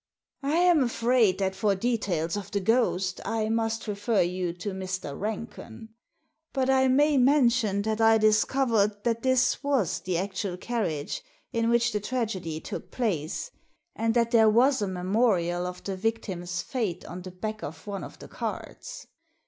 " I am afraid that for details of the ghost I must refer you to Mr. Ranken. But I may mention that I discovered that this was the actual carriage in which the tragedy took place, and that there was a memorial of the victim's fate on the back of one of the cards.